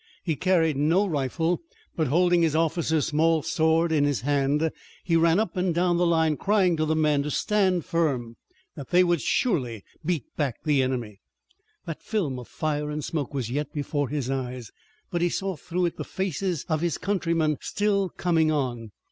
He carried no rifle, but holding his officer's small sword in his hand he ran up and down the line crying to the men to stand firm, that they would surely beat back the enemy. That film of fire and smoke was yet before his eyes, but he saw through it the faces of his countrymen still coming on.